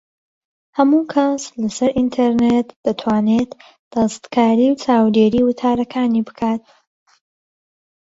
ھەموو کەس لە سەر ئینتەرنێت دەتوانێت دەستکاری و چاودێریی وتارەکانی بکات